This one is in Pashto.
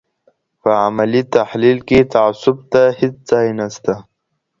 په علمي تحلیل کي تعصب ته هیڅ ځای نشته.